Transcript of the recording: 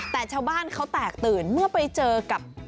แต่ชาวบ้านเขาแตกตื่นเมื่อไปเจอกับ